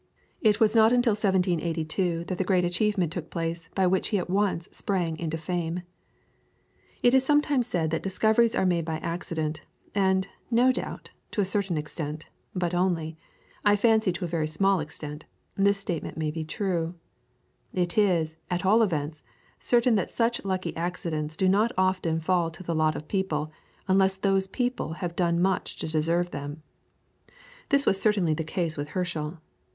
It was not until 1782 that the great achievement took place by which he at once sprang into fame. [PLATE: GARDEN VIEW, HERSCHEL HOUSE, SLOUGH.] It is sometimes said that discoveries are made by accident, and, no doubt, to a certain extent, but only, I fancy to a very small extent, this statement may be true. It is, at all events, certain that such lucky accidents do not often fall to the lot of people unless those people have done much to deserve them. This was certainly the case with Herschel.